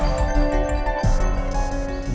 pfendim kamu mau minum